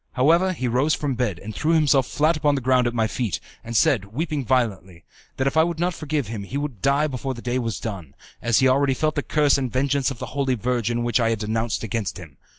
However, he rose from his bed, and threw himself flat upon the ground at my feet, and said, weeping violently, that if I would not forgive him he would die before the day was done, as he already felt the curse and the vengeance of the Holy Virgin which I had denounced against him.